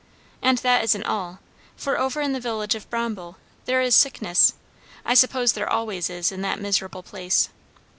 And that isn't all; for over in the village of Bromble there is sickness I suppose there always is in that miserable place."